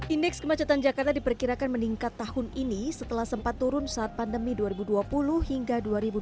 indeks kemacetan jakarta diperkirakan meningkat tahun ini setelah sempat turun saat pandemi dua ribu dua puluh hingga dua ribu dua puluh